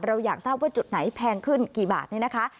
เราอยากทราบว่าจุดไหนแพงขึ้นกี่บาทเนี่ยนะคะ